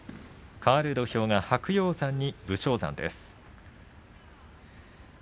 かわる土俵が白鷹山に武将山です。